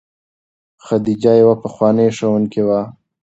خدیجه یوه پخوانۍ ښوونکې وه.